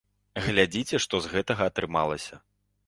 Глядзіце, што з гэтага атрымалася.